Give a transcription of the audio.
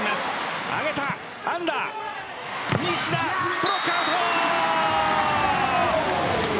ブロックアウト。